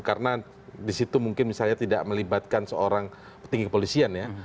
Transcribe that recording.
karena di situ mungkin misalnya tidak melibatkan seorang petinggi kepolisian ya